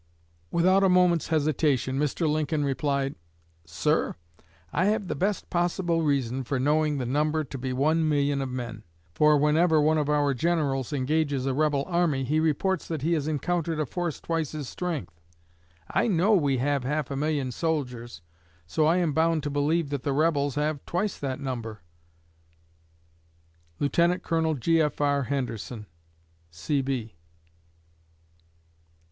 Without a moment's hesitation Mr. Lincoln replied: "Sir, I have the best possible reason for knowing the number to be one million of men, for whenever one of our generals engages a rebel army he reports that he has encountered a force twice his strength. I know we have half a million soldiers, so I am bound to believe that the rebels have twice that number." LIEUT. COL. G. F. R. HENDERSON, C.B.